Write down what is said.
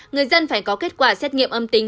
người dân phải có kết quả xét nghiệm âm tính